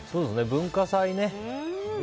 文化祭ね。